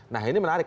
nah ini menarik